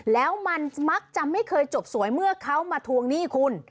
แล้วมันมักจะไม่เคยจบสวยเมื่อเขามาทวงหนี้คุณ